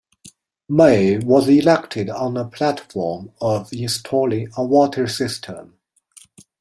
May, was elected on a platform of installing a water system.